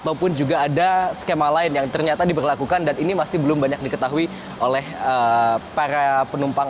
ataupun juga ada skema lain yang ternyata diberlakukan dan ini masih belum banyak diketahui oleh para penumpang